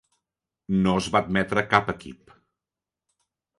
No es va admetre cap equip.